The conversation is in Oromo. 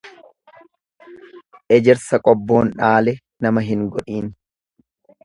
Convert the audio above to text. Ejersa qobboon dhaale nama hin godhiin.